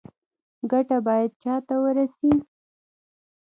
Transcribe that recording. ګټه باید چا ته ورسي؟